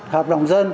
hợp đồng dân